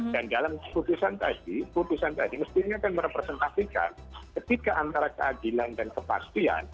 dan dalam putusan tadi putusan tadi mestinya akan merepresentasikan ketiga antara keadilan dan kepastian